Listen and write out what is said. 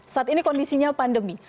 saat ini kondisinya pandemi